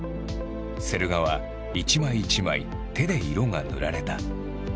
セル画は一枚一枚手で色が塗られた。